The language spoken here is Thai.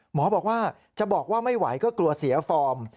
หมอบอกว่าจะบอกว่าไม่ไหวก็กลัวเสียฟอร์ม